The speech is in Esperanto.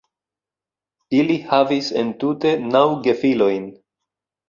Ili havis entute naŭ gefilojn.